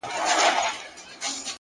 ه ولي په زاړه درد کي پایماله یې